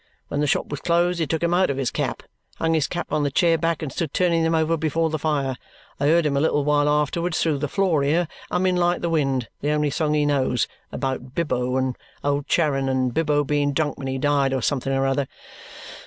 When the shop was closed, he took them out of his cap, hung his cap on the chair back, and stood turning them over before the fire. I heard him a little while afterwards, through the floor here, humming like the wind, the only song he knows about Bibo, and old Charon, and Bibo being drunk when he died, or something or other.